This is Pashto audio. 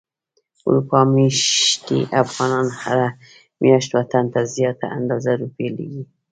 اروپا ميشتي افغانان هره مياشت وطن ته زياته اندازه روپی ليږي.